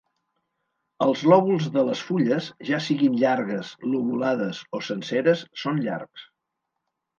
Els lòbuls de les fulles, ja siguin llargues, lobulades o senceres, són llargs.